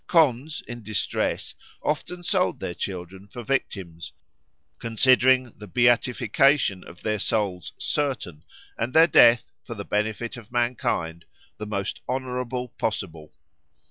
Khonds in distress often sold their children for victims, "considering the beatification of their souls certain, and their death, for the benefit of mankind, the most honourable possible."